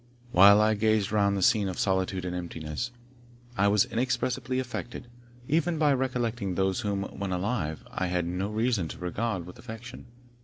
While I gazed round the scene of solitude and emptiness, I was inexpressibly affected, even by recollecting those whom, when alive, I had no reason to regard with affection.